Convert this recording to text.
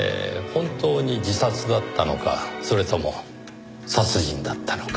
本当に自殺だったのかそれとも殺人だったのか。